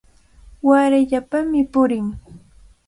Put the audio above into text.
Warayllapami purin.